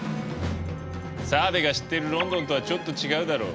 澤部が知ってるロンドンとはちょっと違うだろ？